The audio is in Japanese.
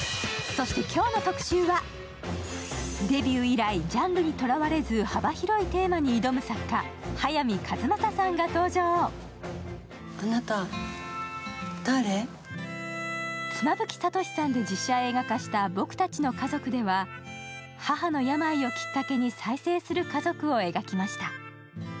デビュー以来、ジャンルにとらわれず幅広いテーマに挑む作家・早見和真さんが登場妻夫木聡さんで実写映画化した「ぼくたちの家族」では母の病をきっかけに再生する家族を描きました。